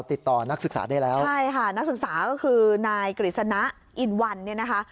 ติดต่อนักศึกษาได้แล้วใช่ค่ะนักศึกษาก็คือนายกฤษณะอินวันเนี่ยนะคะ